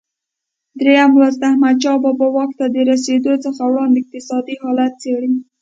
درېم لوست د احمدشاه بابا واک ته رسېدو څخه وړاندې اقتصادي حالت څېړي.